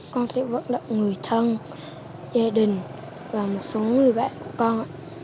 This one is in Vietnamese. con thể vận động người thân gia đình và một số người bạn của con